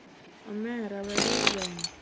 Omera wego gueno